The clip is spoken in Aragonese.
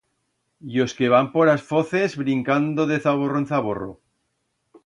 Y os que van por as foces brincando de zaborro en zaborro.